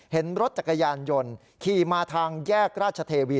เห็นรถจักรยานยนต์ขี่มาทางแยกราชเทวี